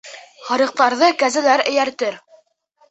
Һарыҡтарҙы кәзәләр эйәртер.